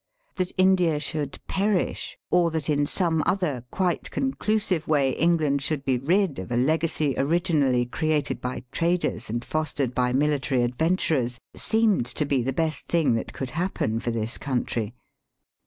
That India should ^' perish," or that in some other quite conclusive way England should be rid of a legacy originally created by traders and fos tered by military adventurers, seemed to be the best thing that could happen for this country.